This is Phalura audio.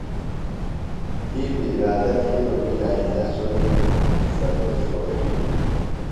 تی بیۡ ارادہ تِھیلوۡ کی آئیندہ سوۡ بیۡ سبزیۡ ݜوݜی۔